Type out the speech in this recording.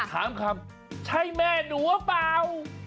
ถามคำใช่แม่หนูหรือเปล่า